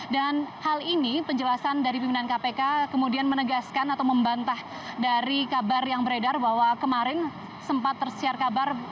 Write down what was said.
dan hal ini penjelasan dari pimpinan kpk kemudian menegaskan atau membantah dari kabar yang beredar bahwa kemarin sempat tersiar kabar